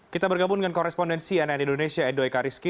kita bergabung dengan korespondensi nn indonesia edo ekariski